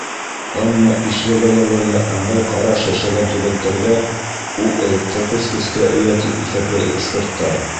Әммә ишле ғаиләләргә ыңғай ҡараш йәшәгән төбәктәрҙә ул ылыҡтырғыс көскә эйә, тип иҫәпләй эксперттар.